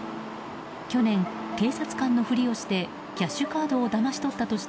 去年、警察官の振りをしてキャッシュカードをだまし取ったとして